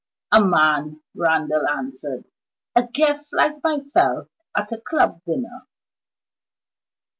"A man," Randal answered; "a guest like myself at a club dinner."